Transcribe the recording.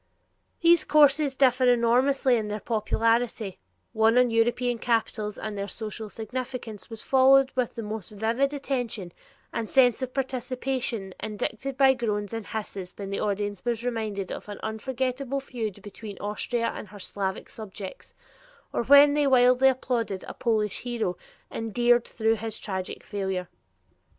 These courses differ enormously in their popularity: one on European capitals and their social significance was followed with the most vivid attention and sense of participation indicated by groans and hisses when the audience was reminded of an unforgettable feud between Austria and her Slavic subjects, or when they wildly applauded a Polish hero endeared through his tragic failure.